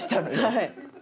はい。